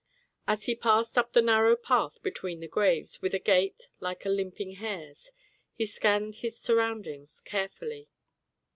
As he passed up the narrow path between the graves, with a gait like a limping hare's, he scanned his surroundings carefully.